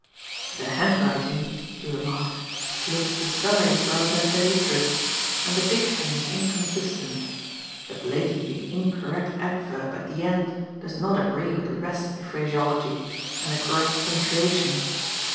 "The handwriting," he remarked, "looks disguised rather than illiterate, and the diction is inconsistent. The blatantly incorrect adverb at the end does not agree with the rest of the phraseology and the correct punctuation.